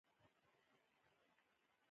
یو بل ښکلی او زړه ور هلک هم زموږ سره بستر و.